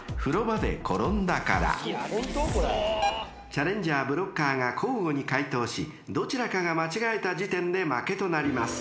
［チャレンジャーブロッカーが交互に解答しどちらかが間違えた時点で負けとなります］